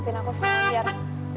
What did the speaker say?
ada bangunan suara